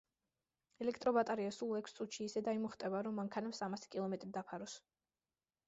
ელექტრო ბატარეა სულ ექვს წუთში ისე დაიმუხტება, რომ მანქანამ სამასი კილომეტრი დაფაროს.